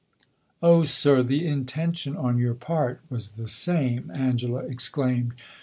"Oh, sir, the intention on your part was the same!" Angela exclaimed.